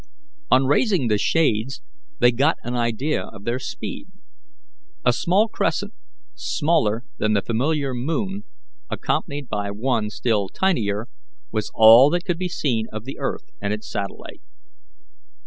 On raising the shades they got an idea of their speed. A small crescent, smaller than the familiar moon, accompanied by one still tinier, was all that could be seen of the earth and its satellite.